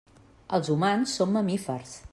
Els humans són mamífers.